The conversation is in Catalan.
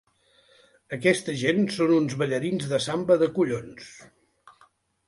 Aquesta gent són uns ballarins de samba de collons!